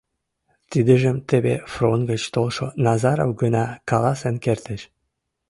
— Тидыжым теве фронт гыч толшо Назаров гына каласен кертеш.